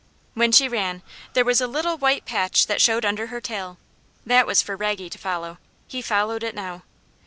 When she ran, there was a little white patch that showed under her tail; that was for Raggy to follow, he followed it now.